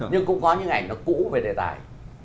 nhưng cũng có những ảnh nó cũ về đề tài